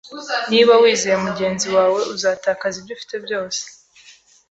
Niba wizeye mugenzi wawe, uzatakaza ibyo ufite byose.